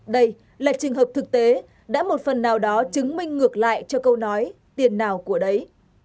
đây là trường hợp thực tế đã một phần nào đó chứng minh ngược lại cho câu nói tiền nào của đấy